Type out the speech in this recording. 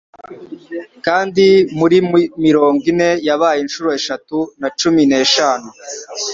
Kandi muri mirongo ine yabaye inshuro eshatu na cumi n eshanu